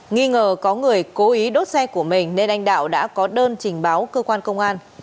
nghi ngờ có người cố ý đốt xe của mình nên anh đạo đã có đơn trình báo cơ quan công an